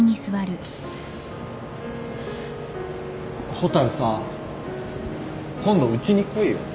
蛍さ今度うちに来いよ。